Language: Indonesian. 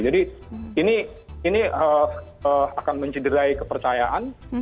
jadi ini ini akan menciderai kepercayaan